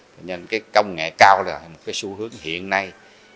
thế nên công nghệ cao là một xu hướng hiện nay